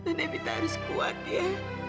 nenek kita harus kuat ya